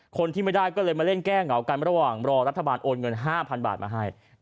คนที่ไม่ได้ก็เลยมาเล่นแก้เหงากันระหว่างรอรัฐบาลโอนเงิน๕๐๐๐บาทมาให้